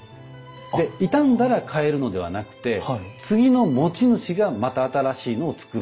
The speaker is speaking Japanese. で傷んだら替えるのではなくて次の持ち主がまた新しいのを作る。